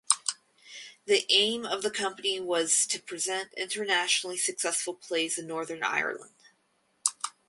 The aim of the company was to present internationally successful plays in Northern Ireland.